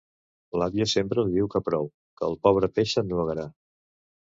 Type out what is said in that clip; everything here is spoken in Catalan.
L'àvia sempre li diu que prou, que el pobre peix s'ennuegarà.